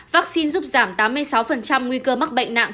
vaccine giúp giảm tám mươi sáu nguy cơ mắc bệnh nặng